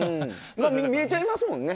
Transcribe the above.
見えちゃいますもんね